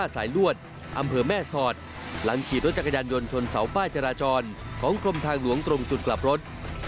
สาวป้ายจราจรของกลมทางหลวงตรงจุดกลับรถ